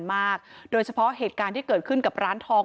มากโดยเฉพาะเหตุการณ์ที่เกิดขึ้นกับร้านทอง